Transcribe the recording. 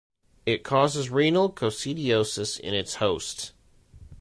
It causes renal coccidiosis in its host.